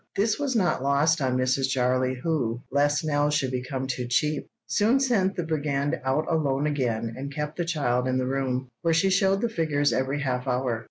This was not lost on Mrs. Jarley, who, lest Nell should become too cheap, soon sent the brigand out alone again and kept the child in the room, where she showed the figures every half hour.